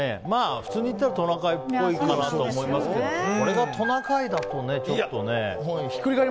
普通にいったらトナカイっぽいかなと思いますけどこれがトナカイだと、ちょっとね。